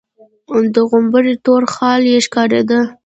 د غومبري تور خال يې ښکارېده.